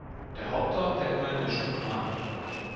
Der Hauptort der Gemeinde ist Storuman.